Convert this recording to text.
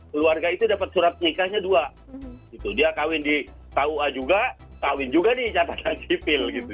keluarga itu dapat surat nikahnya dua dia kawin di kua juga kawin juga di catatan sipil gitu